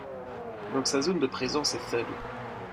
Donc sa zone de présence est faible.